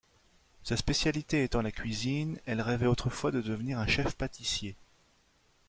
Sa spécialité étant la cuisine, elle rêvait autrefois de devenir un Chef Pâtissier.